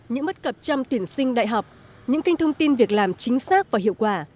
những mất cập trăm tuyển sinh đại học những kinh thông tin việc làm chính xác và hiệu quả